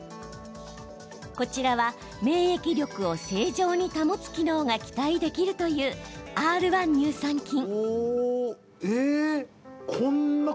こちらは免疫力を正常に保つ機能が期待できるというＲ−１乳酸菌。